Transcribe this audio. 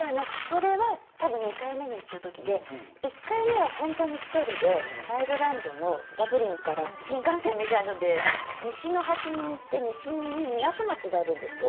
それは多分２回目に行った時で１回目はホントに１人でアイルランドのダブリンから新幹線みたいなので西の端に行って西に港町があるんですよ